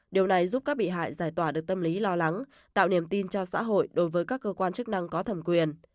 điều này giúp các bị hại giải tỏa được tâm lý lo lắng tạo niềm tin cho xã hội đối với các cơ quan chức năng có thẩm quyền